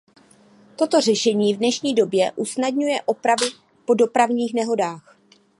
Toto řešení v dnešní době usnadňuje opravy po dopravních nehodách.